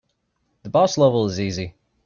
The boss level is easy.